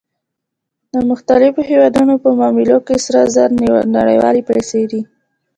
د مختلفو هېوادونو په معاملو کې سره زر نړیوالې پیسې دي